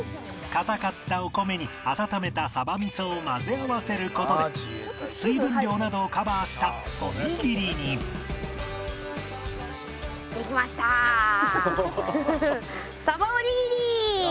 硬かったお米に温めたサバ味噌を混ぜ合わせる事で水分量などをカバーしたおにぎりにさばおにぎり。